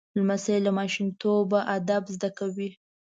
لمسی له ماشومتوبه ادب زده کوي.